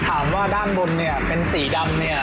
ถามว่าด้านบนเป็นสีดำ